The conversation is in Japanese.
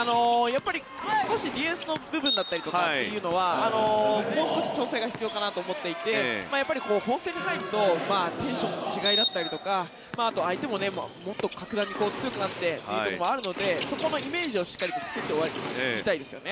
少しディフェンスの部分だったりとかというのはもう少し調整が必要かなと思っていて本戦に入るとテンションの違いだったりとかあと相手ももっと格段に強くなってというところもあるのでそこのイメージをしっかりと作って終わりたいですね。